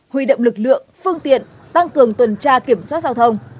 huy động lực lượng phương tiện tăng cường tuần tra kiểm soát giao thông